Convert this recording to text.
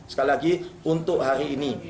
sekali lagi untuk hari ini